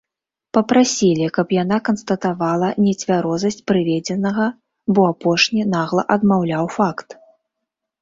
Папрасілі, каб яна канстатавала нецвярозасць прыведзенага, бо апошні нагла адмаўляў факт!